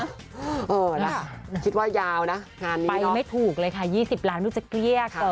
เออแล้วคิดว่ายาวนะไปไม่ถูกเลยค่ะ๒๐ล้านไม่รู้จะเกรียก